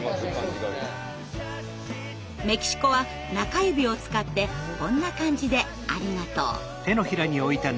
メキシコは中指を使ってこんな感じで「ありがとう」。